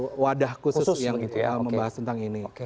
itu wadah khusus yang membahas tentang ini